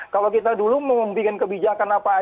kalau kita dulu memimpin kebijakan apaan